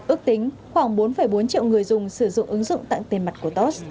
ước tính khoảng bốn bốn triệu người dùng sử dụng ứng dụng tặng tên mặt của tos